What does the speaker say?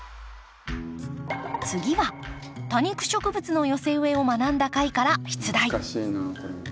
次は多肉植物の寄せ植えを学んだ回から出題。